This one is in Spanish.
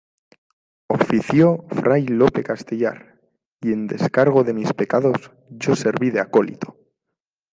ofició Fray Lope Castellar, y en descargo de mis pecados , yo serví de acólito.